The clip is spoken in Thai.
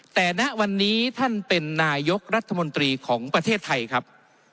แต่ณวันนี้ท่านเป็นนายกรัฐมนตรีของประเทศไทยครับ